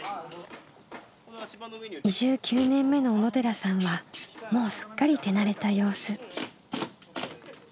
移住９年目の小野寺さんはもうすっかり手慣れた様子。